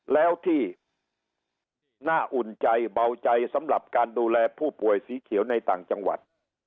แล้วที่น่าอุ่นใจเบาใจสำหรับการดูแลผู้ป่วยสีเขียวในต่างจังหวัด